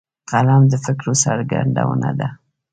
قلم د فکرو څرګندونه ده